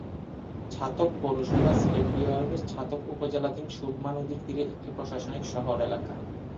ছাতক পৌরসভা সিলেট বিভাগের ছাতক উপজেলাধীন সুরমা নদীর তীরে একটি প্রশাসনিক শহর এলাকা।